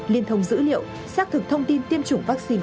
liên thông dữ liệu xác thực thông tin tiêm chủng vaccine